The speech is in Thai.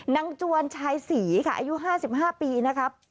จวนชายศรีค่ะอายุ๕๕ปีนะครับ